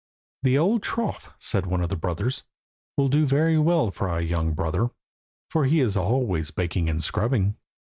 "The old trough," said one of the brothers, "will do very well for our young brother, for he is always baking and scrubbing."